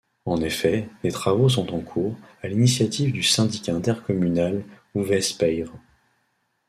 En effet, des travaux sont en cours, à l'initiative du syndicat intercommunal Ouvèze Payre.